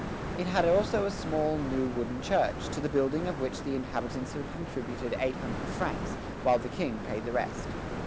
It had also a small, new wooden church, to the building of which the inhabitants had contributed eight hundred francs, while the King paid the rest.